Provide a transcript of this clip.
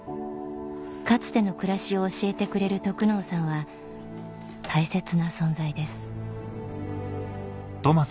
かつての暮らしを教えてくれる得能さんは大切な存在です